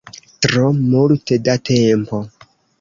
Tro multe da tempo.